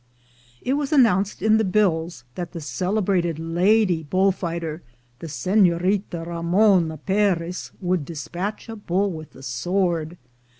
It was announced in the bills that the celebrated lady bull fighter, the Senorita Ramona Perez, would despatch a bull with the sword.